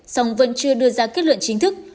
song vẫn chưa đưa ra kết luận chính thức